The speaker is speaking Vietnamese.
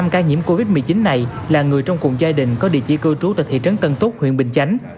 năm ca nhiễm covid một mươi chín này là người trong cùng gia đình có địa chỉ cư trú tại thị trấn tân túc huyện bình chánh